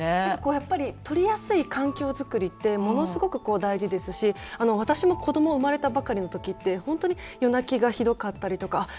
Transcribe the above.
やっぱり取りやすい環境作りってものすごくこう大事ですし私も子ども生まれたばかりの時って本当に夜泣きがひどかったりとかあっ